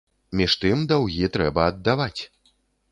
Між тым, даўгі трэба аддаваць.